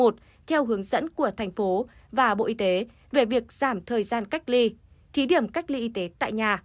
theo hướng dẫn của thành phố và bộ y tế về việc giảm thời gian cách ly thí điểm cách ly y tế tại nhà